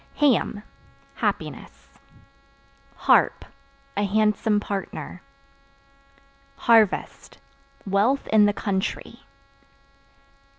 Ham Happiness. Harp A handsome partner. Harvest Wealth in the country.